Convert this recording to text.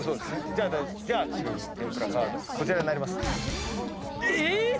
じゃあ白組天ぷらカードこちらになります。